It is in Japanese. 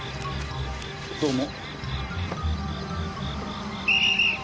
どうも。